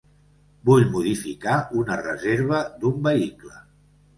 Vull modificar una reserva d'un vehicle.